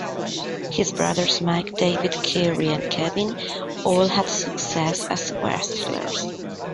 His brothers, Mike, David, Kerry and Kevin all had success as wrestlers.